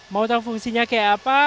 mau tahu fungsinya kayak apa